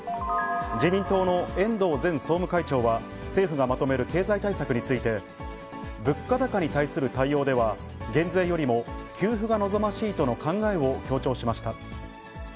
自民党の遠藤前総務会長は、政府がまとめる経済対策について、物価高に対する対応では、減税よりも給付が望ましいとの考えを強調しました。